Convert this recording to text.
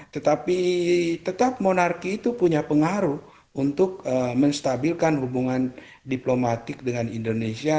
tetapi tetap monarki itu punya pengaruh untuk menstabilkan hubungan diplomatik dengan indonesia